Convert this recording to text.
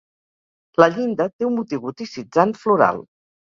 La llinda té un motiu goticitzant floral.